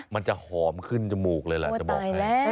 มันจะหอมขึ้นจมูกเลยล่ะจะบอกให้